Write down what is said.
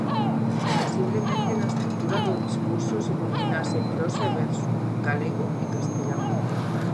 Posiblemente na estrutura do discurso se combinase prosa e verso, galego e castelán.